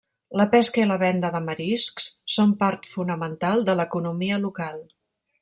Les pesca i la venda de mariscs són part fonamental de l'economia local.